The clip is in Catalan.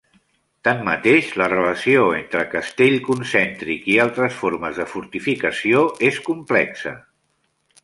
Tanmateix, la relació entre castell concèntric i altres formes de fortificació és complexa.